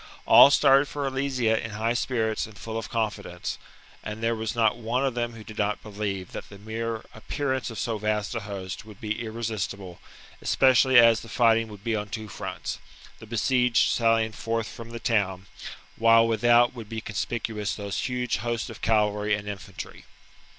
All started for Alesia in high spirits and full of confidence ; and there was not one of them who did not believe that the mere appearance of so vast a host would be irresistiblej especially as the fighting would be on two fronts, the besieged sallying forth from the town, while without would be conspicuous those huge hosts of cavalry and infantry.